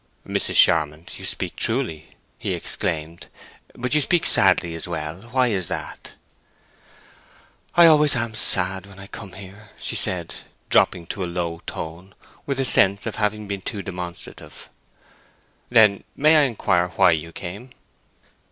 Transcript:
"Mrs. Charmond, you speak truly," he exclaimed. "But you speak sadly as well. Why is that?" "I always am sad when I come here," she said, dropping to a low tone with a sense of having been too demonstrative. "Then may I inquire why you came?"